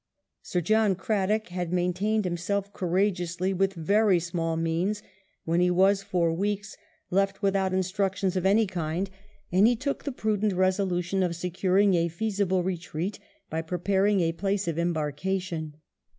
Sir John Cradock had maintained himself courageously with very small means when he was for weeks left without VI HE TAKES COMMAND IN PORTUGAL 109 ■ .i> instructions of any kind, and he took the prudent resolution of securing a feasible retreat by preparing a place of embarkation.